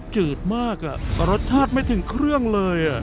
จืดมากรสชาติไม่ถึงเครื่องเลย